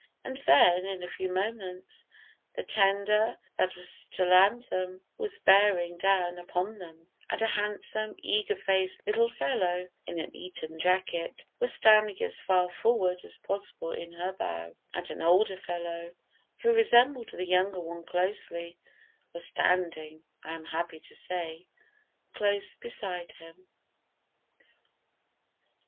And then, in a few moments, the tender that was to land them was bearing down upon them, and a handsome, eager faced little fellow, in an Eton jacket, was standing as far forward as possible in her bow, and an older fellow, who resembled the younger one closely, was standing, I am happy to say, close beside him.